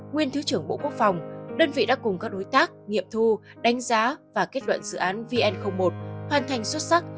nguyên thứ trưởng bộ quốc phòng đơn vị đã cùng các đối tác nghiệm thu đánh giá và kết luận dự án vn một hoàn thành xuất sắc